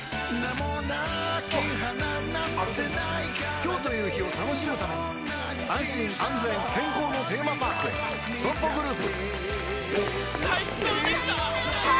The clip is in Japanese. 今日という日を楽しむために安心安全健康のテーマパークへＳＯＭＰＯグループ